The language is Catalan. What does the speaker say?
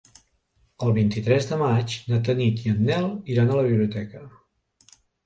El vint-i-tres de maig na Tanit i en Nel iran a la biblioteca.